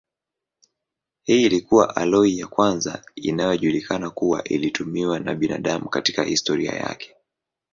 Hii ilikuwa aloi ya kwanza inayojulikana kuwa ilitumiwa na binadamu katika historia yake.